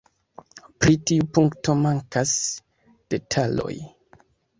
Pri tiu punkto mankas detaloj.